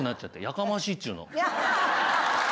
やかましいっちゅうの。